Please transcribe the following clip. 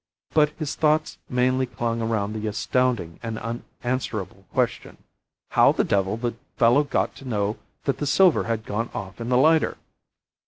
But his thoughts mainly clung around the astounding and unanswerable question: How the devil the fellow got to know that the silver had gone off in the lighter?